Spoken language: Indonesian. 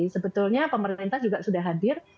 sebetulnya pemerintah juga sudah hadir